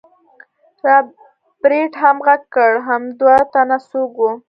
رابرټ هم غږ کړ حم دوه تنه څوک وو.